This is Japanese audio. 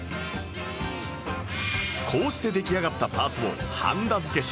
こうして出来上がったパーツをはんだ付けし